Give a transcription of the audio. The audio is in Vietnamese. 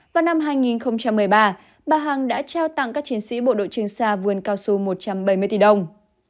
vào năm hai nghìn một mươi ba bà hằng đã trao tặng các chiến sĩ bộ đội trường xa vườn cao su một trăm bảy mươi tỷ đồng